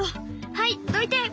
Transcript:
はいどいて。